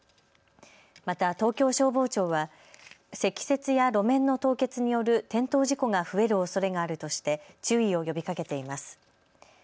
また東京消防庁は積雪や路面の凍結による転倒事故が増えるおそれがあるとして注意を呼びかけています。